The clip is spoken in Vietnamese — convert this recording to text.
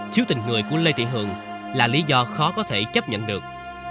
thiếu tình người của lê thị hường là lý do khó có thể chấp nhận được